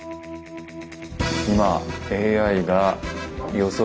今ＡＩが予測